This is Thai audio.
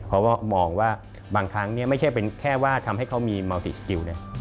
เพราะว่ามองว่าบางครั้งไม่ใช่เป็นแค่ว่าทำให้เขามีเมาติสกิล